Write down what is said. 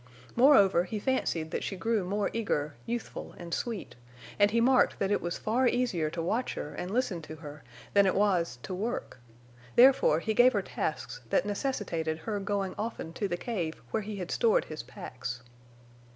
Moreover, he fancied that she grew more eager, youthful, and sweet; and he marked that it was far easier to watch her and listen to her than it was to work. Therefore he gave her tasks that necessitated her going often to the cave where he had stored his packs.